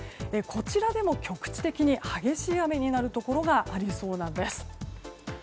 こちらでも局地的に激しい雨になるところがありそうなんです。